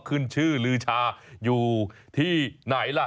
ขึ้นชื่อลือชาอยู่ที่ไหนล่ะ